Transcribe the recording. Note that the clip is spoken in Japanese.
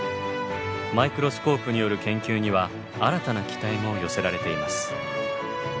マイクロスコープによる研究には新たな期待も寄せられています。